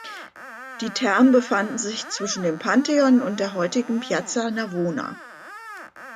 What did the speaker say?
Die Thermen befanden sich zwischen dem Pantheon und der heutigen Piazza Navona.